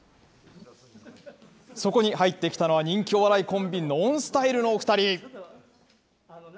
そこに入ってきたのは人気お笑いコンビ、ＮＯＮＳＴＹＬＥのお２人。